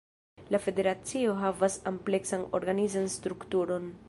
La federacio havas ampleksan organizan strukturon.